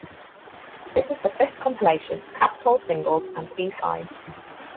This is the fifth compilation of Capitol singles and B-sides.